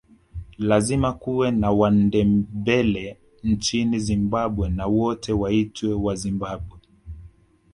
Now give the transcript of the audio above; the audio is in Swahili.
Lazima kuwe na Wandebele nchini Zimbabwe na wote waitwe Wazimbabwe